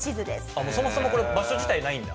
あっそもそもこれ場所自体ないんだ。